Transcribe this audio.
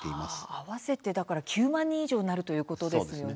合わせて９万人以上になるということですね。